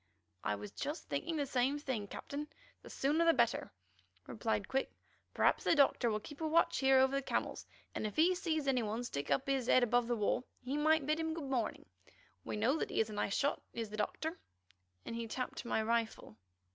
"I was just thinking the same thing, Captain; the sooner the better," replied Quick. "Perhaps the Doctor will keep a watch here over the camels, and if he sees any one stick up his head above the wall, he might bid him good morning. We know he is a nice shot, is the Doctor," and he tapped my rifle.